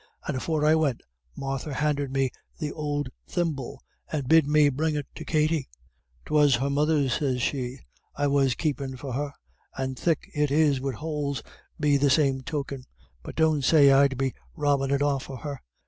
And afore I went Martha handed me out th' ould thimble, and bid me bring it to Katty. ''Twas her mother's,' sez she, 'I was keepin' for her; and thick it is wid houles be the same token; but don't say I'd be robbin' it off her.'